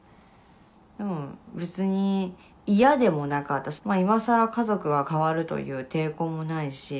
でも別に嫌でもなかったし今更家族が変わるという抵抗もないし